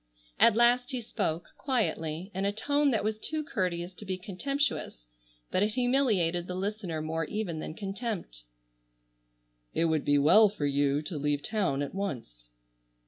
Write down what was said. At last he spoke, quietly, in a tone that was too courteous to be contemptuous, but it humiliated the listener more even than contempt: "It would be well for you to leave town at once."